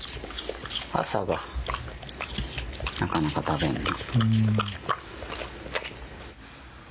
朝がなかなか食べんね。